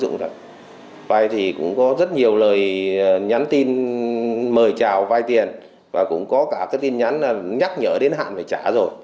nhiều lời nhắn tin mời chào vay tiền và cũng có cả cái tin nhắn nhắc nhở đến hạn phải trả rồi